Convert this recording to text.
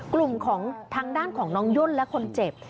กลุ่มของทางด้านของน้องย่นและคนเจ็บ